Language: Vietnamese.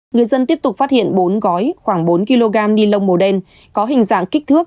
người dân tiếp tục phát hiện bốn gói khoảng bốn kg ni lông màu đen có hình dạng kích thước